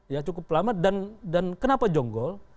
ya cukup lama dan kenapa jonggol